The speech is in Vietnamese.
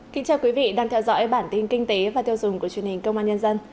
kính chào quý vị đang theo dõi bản tin kinh tế và tiêu dùng của truyền hình công an nhân dân